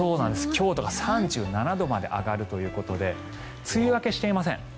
京都が３７度まで上がるということで梅雨明けしていません。